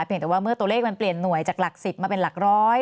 แต่ว่าเมื่อตัวเลขมันเปลี่ยนหน่วยจากหลัก๑๐มาเป็นหลักร้อย